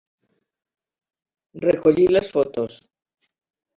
Recollir les fotos.